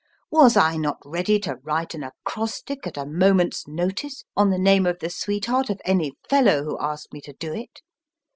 Was I not ready to write an acrostic at a moment s notice on the name of the sweetheart of any fellow who asked me to do it